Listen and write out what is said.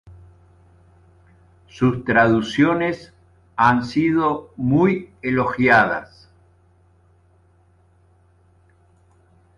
Sus traducciones han sido muy elogiadas.